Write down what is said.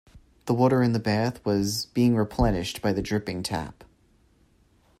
The water in the bath was being replenished by the dripping tap.